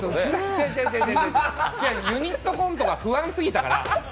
違う違う違う、ユニットコントが不安すぎたから。